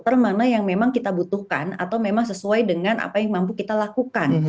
karena itu adalah yang mana yang memang kita butuhkan atau memang sesuai dengan apa yang mampu kita lakukan